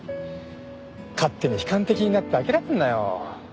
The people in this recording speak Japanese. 勝手に悲観的になって諦めんなよ。